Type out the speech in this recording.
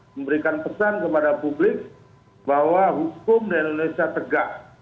memberikan pesan kepada publik bahwa hukum di indonesia tegak